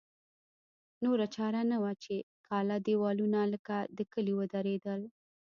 نوره چاره نه وه چې کاله دېوالونه لکه د کلي ودرېدل.